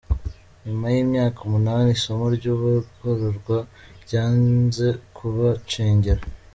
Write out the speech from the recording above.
Nyuma y’imyaka umunani isomo ry’ubugororwa ryanze kubacengera